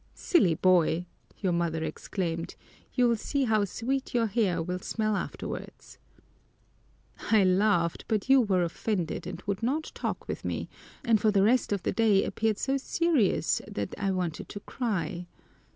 'Silly boy,' your mother exclaimed, 'you'll see how sweet your hair will smell afterwards.' I laughed, but you were offended and would not talk with me, and for the rest of the day appeared so serious that then I wanted to cry.